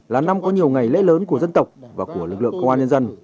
là năm có nhiều ngày lễ lớn của dân tộc và của lực lượng công an nhân dân